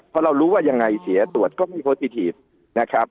เพราะเรารู้ว่ายังไงเสียตรวจก็ไม่พ้นอีกทีนะครับ